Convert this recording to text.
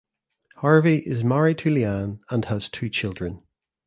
Harvey is married to Leanne and has two children.